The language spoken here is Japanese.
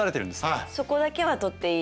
そこだけはとっていい。